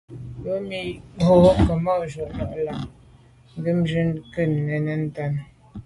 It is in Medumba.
Yomi bo Kemaju’ na’ lo mà nkebnjù nke nèn ntàne.